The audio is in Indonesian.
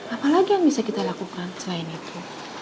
apa lagi yang bisa kita lakukan selain itu